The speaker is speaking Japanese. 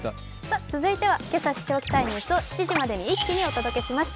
続いては、けさ知っておきたいニュースを７時までに一気にお伝えします。